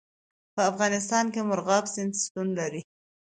په افغانستان کې مورغاب سیند شتون لري.